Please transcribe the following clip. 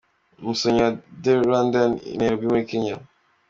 Umusomyi wa TheRwandan i Nairobi muri Kenya